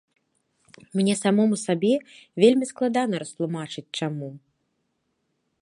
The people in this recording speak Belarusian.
Мне самому сабе вельмі складана растлумачыць чаму.